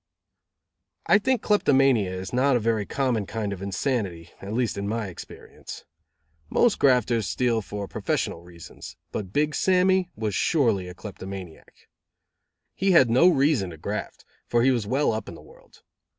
I think kleptomania is not a very common kind of insanity, at least in my experience. Most grafters steal for professional reasons, but Big Sammy was surely a kleptomaniac. He had no reason to graft, for he was well up in the world.